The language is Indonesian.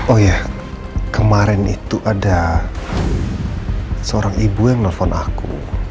oh ya kemarin itu ada seorang ibu yang nelfon aku